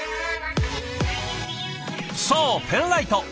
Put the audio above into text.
そうペンライト。